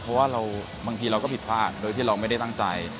เพราะว่าบางทีเราก็ผิดพลาดโดยที่เราไม่ได้ตั้งใจ